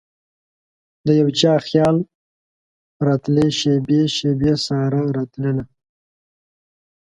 دیو چا خیال راتلي شیبې ،شیبې سارا راتلله